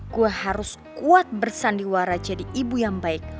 gue harus kuat bersandiwara jadi ibu yang baik